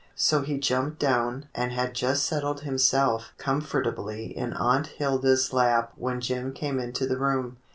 So he jumped down and had just settled himself comfort ably in Aunt Hilda's lap when Jim came into the room.